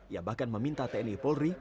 ia bahkan meminta tni polri